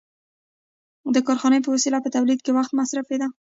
د کارخانې په وسیله په تولید کم وخت مصرفېده